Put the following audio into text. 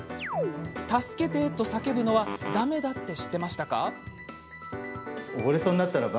助けて！と叫ぶのはだめだって知ってましたか？